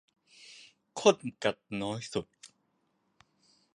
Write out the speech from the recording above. ข้อจำกัดน้อยสุด